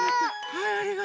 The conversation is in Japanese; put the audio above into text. はい。